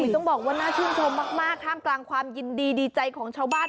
ต้องบอกว่าน่าชื่นชมมากท่ามกลางความยินดีดีใจของชาวบ้าน